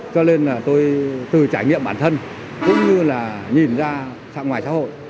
cho nên là tôi từ trải nghiệm bản thân cũng như là nhìn ra ngoài xã hội